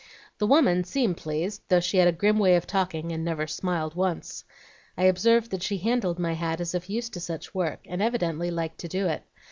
The woman seemed pleased, though she had a grim way of talking, and never smiled once. I observed that she handled my hat as if used to such work, and evidently liked to do it.